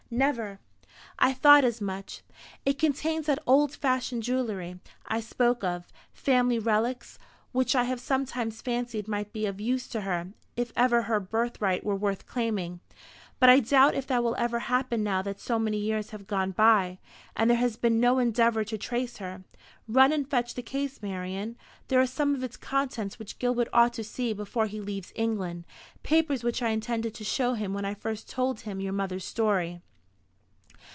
"Never." "I thought as much. It contains that old fashioned jewelry I spoke of family relics, which I have sometimes fancied might be of use to her, if ever her birthright were worth claiming. But I doubt if that will ever happen now that so many years have gone by, and there has been no endeavour to trace her. Run and fetch the case, Marian. There are some of its contents which Gilbert ought to see before he leaves England papers which I intended to show him when I first told him your mother's story."